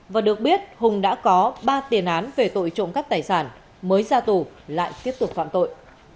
và được biết hùng đã có ba tiền án về tội trộm cắp tài sản mới ra tù lại tiếp tục phạm tội